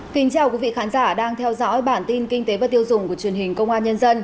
kính chào quý vị khán giả đang theo dõi bản tin kinh tế và tiêu dùng của truyền hình công an nhân dân